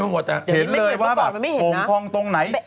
เห็นเลยว่าโปร่งพองตรงไหน